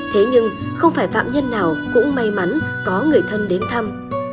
thế nhưng không phải phạm nhân nào cũng may mắn có người thân đến thăm